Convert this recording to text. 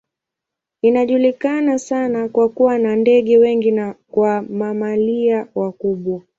Inajulikana sana kwa kuwa na ndege wengi na kwa mamalia wakubwa.